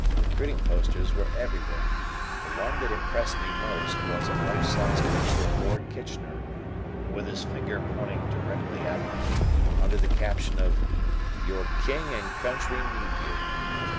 Recruiting posters were everywhere. The one that impressed me most was a life size picture of Lord Kitchener with his anger pointing directly at me, under the caption of "Your King and Country Need You."